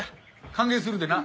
歓迎するでな。